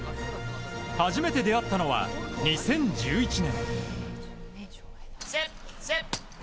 初めて出会ったのは２０１１年。